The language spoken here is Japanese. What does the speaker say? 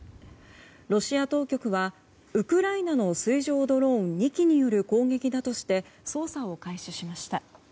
ロシア当局はウクライナの水上ドローン２機による攻撃だとして捜査を開始しました。